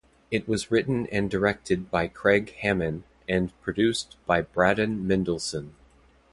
It was written and directed by Craig Hamann and produced by Braddon Mendelson.